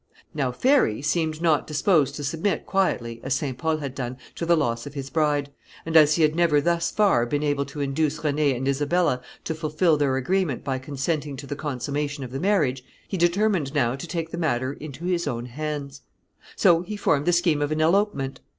Now Ferry seemed not disposed to submit quietly, as St. Pol had done, to the loss of his bride, and as he had never thus far been able to induce René and Isabella to fulfill their agreement by consenting to the consummation of the marriage, he determined now to take the matter into his own hands. So he formed the scheme of an elopement.